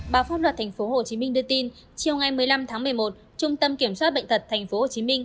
báo pháp luật tp hcm đưa tin chiều ngày một mươi năm tháng một mươi một trung tâm kiểm soát bệnh tật tp hcm